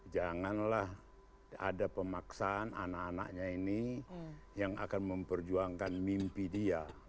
janganlah ada pemaksaan anak anaknya ini yang akan memperjuangkan mimpi dia